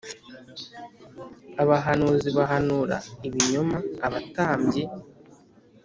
Abahanuzi bahanura ibinyoma abatambyi